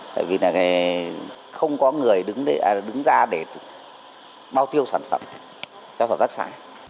tại vì là không có người đứng ra để bao tiêu sản phẩm cho hợp tác xã